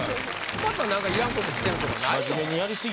また何かいらんことしてるとかないの？